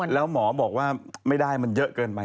แล้วหมอบอกว่าไม่ได้มันเยอะเกินไป